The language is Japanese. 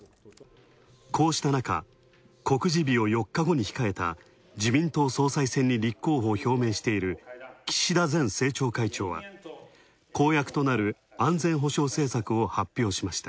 こうしたなか、告示日を４日後に控えた自民党総裁選に立候補を表明している岸田前政調会長は、公約となる安全保障を発表しました。